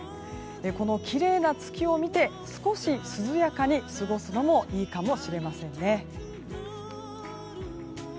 このきれいな月を見て少し涼やかに過ごすのもいいかもしれませんね。